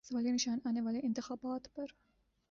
سوالیہ نشان آنے والے انتخابات پر۔